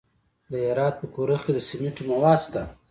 د هرات په کرخ کې د سمنټو مواد شته.